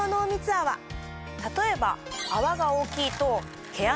例えば。